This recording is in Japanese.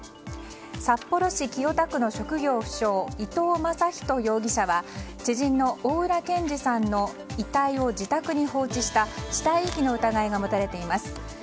札幌市清田区の職業不詳伊藤正人容疑者は知人の大浦健司さんの遺体を自宅に放置した死体遺棄の疑いが持たれています。